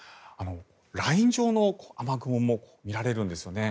ライン状の雨雲も見られるんですよね。